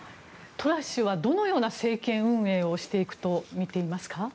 トラス氏はどのような政権運営をしていくと見ていますか？